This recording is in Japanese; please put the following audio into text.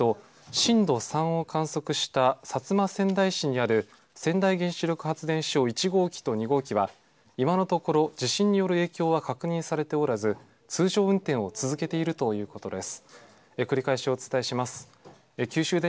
九州電力によりますと、震度３を観測した薩摩川内市にある、川内原子力発電所１号機と２号機は、今のところ、地震による影響は確認されておらず、通常運転を続けているということです。